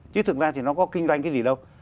chứ thực ra thì nó có kinh doanh cái gì đâu